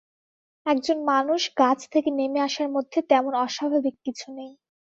একজন মানুষ গাছ থেকে নেমে আসার মধ্যে তেমন অস্বাভাবিক কিছু নেই।